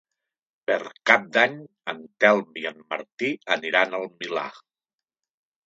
Per Cap d'Any en Telm i en Martí aniran al Milà.